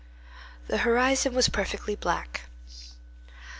The horizon was perfectly black.